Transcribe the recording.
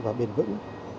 và bền vững